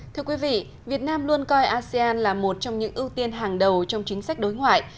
thưa quý vị việt nam luôn coi asean là một trong những ưu tiên hàng đầu trong chính sách đối ngoại